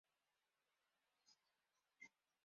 Their nickname is the Rovers.